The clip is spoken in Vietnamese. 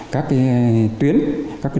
các tuyến các đường